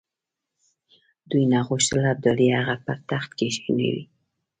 دوی نه غوښتل ابدالي هغه پر تخت کښېنوي.